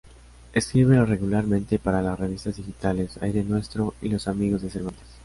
Escribe regularmente para las revistas digitales "Aire nuestro" y "Los amigos de Cervantes".